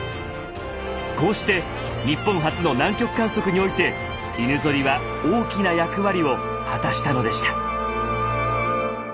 こうして日本初の南極観測において犬ゾリは大きな役割を果たしたのでした。